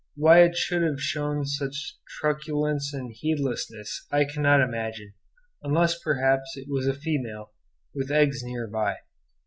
Why it should have shown such truculence and heedlessness I cannot imagine, unless perhaps it was a female, with eggs near by.